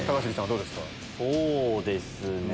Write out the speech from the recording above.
そうですね。